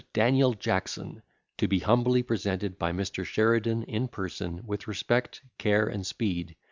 DANIEL JACKSON TO BE HUMBLY PRESENTED BY MR. SHERIDAN IN PERSON, WITH RESPECT, CARE, AND SPEED.